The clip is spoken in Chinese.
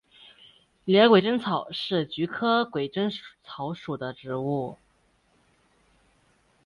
柳叶鬼针草是菊科鬼针草属的植物。